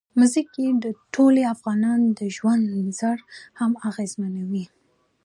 ځمکه د ټولو افغانانو د ژوند طرز هم اغېزمنوي.